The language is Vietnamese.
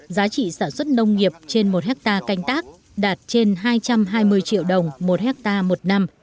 giá trị sản xuất nông nghiệp trên một hectare canh tác đạt trên hai trăm hai mươi triệu đồng một hectare một năm